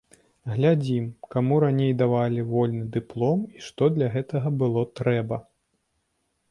Глядзім, каму раней давалі вольны дыплом і што для гэтага было трэба.